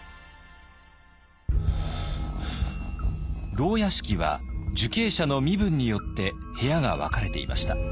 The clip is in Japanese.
牢屋敷は受刑者の身分によって部屋が分かれていました。